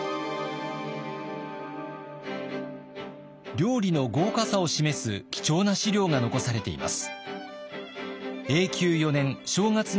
料理の豪華さを示す貴重な史料が残されています。